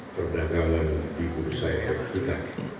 perdagangan di bursa efek kita